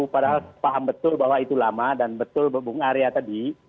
padahal paham betul bahwa itu lama dan betul bung arya tadi